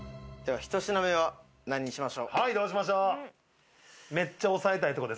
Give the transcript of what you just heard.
１品目は何にしましょう？